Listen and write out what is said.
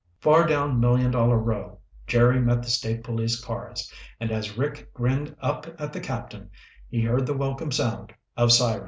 Far down Million Dollar Row, Jerry met the State Police cars. And as Rick grinned up at the Captain, he heard the welcome sound of sirens.